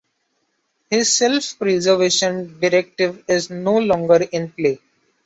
His self-preservation directive is no longer in play.